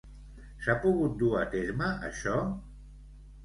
S'ha pogut dur a terme això?